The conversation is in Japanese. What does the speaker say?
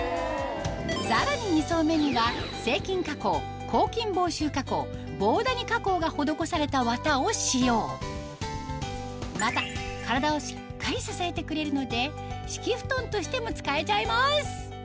さらに２層目には制菌加工抗菌防臭加工防ダニ加工が施された綿を使用また体をしっかり支えてくれるので敷布団としても使えちゃいます